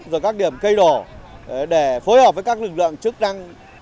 rồi các điểm cây đổ để phối hợp với các lực lượng chức năng